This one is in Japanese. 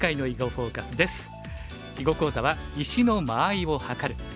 囲碁講座は「石の間合いをはかる」。